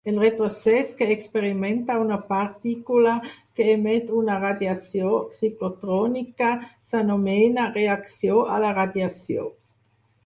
El retrocés que experimenta una partícula que emet una radiació ciclotrònica s'anomena "reacció a la radiació".